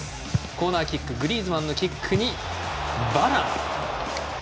コーナーキックグリーズマンのキックにバラン。